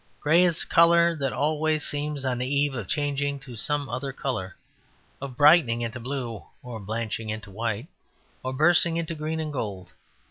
Grey is a colour that always seems on the eve of changing to some other colour; of brightening into blue or blanching into white or bursting into green and gold.